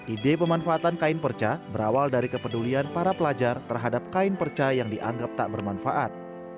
ide pemanfaatan kain perca berawal dari kepedulian para pelajar terhadap kain perca yang dianggap tak bermanfaat